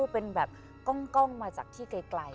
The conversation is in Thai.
เป็นแบบกล้องมาจากที่ไกล